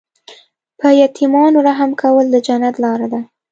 په یتیمانو رحم کول د جنت لاره ده.